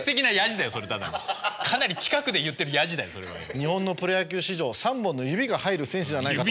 日本のプロ野球史上３本の指が入る選手ではないかと。